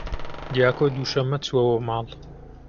دیاکۆ دووشەممە چووەوە ماڵ.